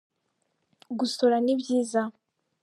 gusora nibyiza